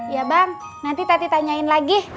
ya bang nanti teti tanyain lagi